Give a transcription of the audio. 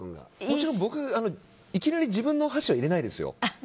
もちろん僕、いきなり自分のお箸を入れないですよ。